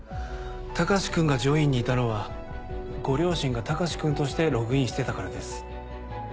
隆君が『ジョイン』にいたのはご両親が隆君としてログインしてたからです。